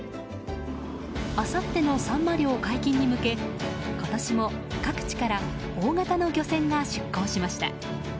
あさってのサンマ漁解禁に向け今年も各地から大型の漁船が出港しました。